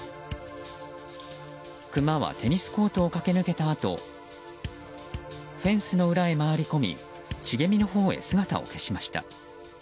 クマはテニスコートを駆け抜けたあとフェンスの裏へ回り込みしげみのほうへ姿を消しました。